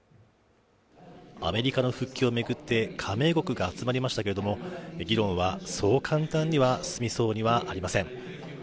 アメリカの復帰を巡って加盟国が集まりましたけれども議論はそう簡単には進みそうにはありません。